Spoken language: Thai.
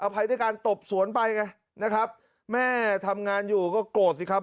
ภัยด้วยการตบสวนไปไงนะครับแม่ทำงานอยู่ก็โกรธสิครับ